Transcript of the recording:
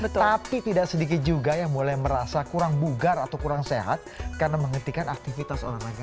tetapi tidak sedikit juga yang mulai merasa kurang bugar atau kurang sehat karena menghentikan aktivitas olahraga